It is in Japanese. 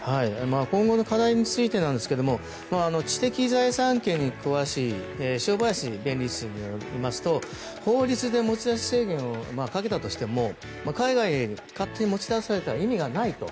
今後の課題についてですが知的財産権に詳しい正林弁護士によりますと法律で持ち出し制限をかけたとしても海外へ勝手に持ち出されては意味がないと。